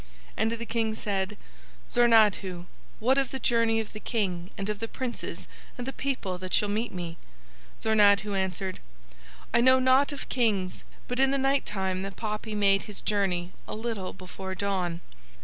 And the King said: "Zornadhu, what of the journey of the King and of the princes and the people that shall meet me?" Zornadhu answered: "I know nought of Kings, but in the night time the poppy made his journey a little before dawn.